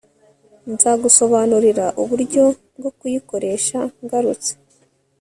Nzagusobanurira uburyo bwo kuyikoresha ngarutse